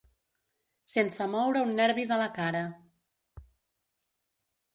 Sense moure un nervi de la cara.